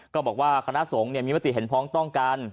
ก็บอกว่าคณะสงฆ์มีมติเห็นพ้องต้องกัน